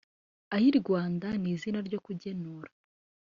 Ayirwanda ni izina ryo kugenura